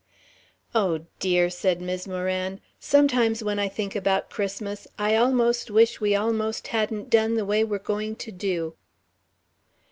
"Oh, dear," said Mis' Moran, "sometimes when I think about Christmas I almost wish we almost hadn't done the way we're going to do."